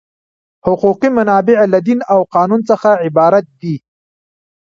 حقوقي منابع له دین او قانون څخه عبارت دي.